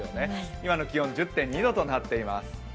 今の気温、１０．２度となっています。